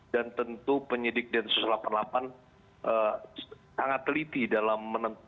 dan tentu penyidik densus delapan puluh delapan sangat teliti dalam menangkapnya